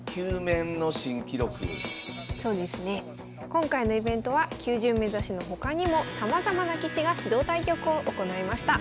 今回のイベントは９０面指しの他にもさまざまな棋士が指導対局を行いました。